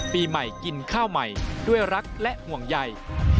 ปีใหม่กินข้าวใหม่ด้วยรักและห่วงใย